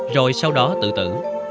rồi sau đó tự tử